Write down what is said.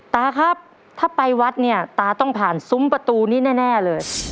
ตาครับถ้าไปวัดเนี่ยตาต้องผ่านซุ้มประตูนี้แน่เลย